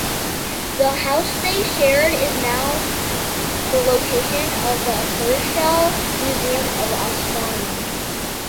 The house they shared is now the location of the Herschel Museum of Astronomy.